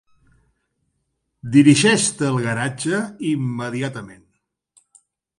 Dirigeix-te al garatge immediatament.